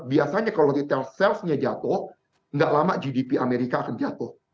biasanya kalau retail salesnya jatuh nggak lama gdp amerika akan jatuh